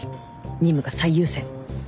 任務が最優先